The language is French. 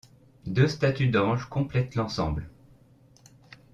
Deux statues d'anges complètent l'ensemble.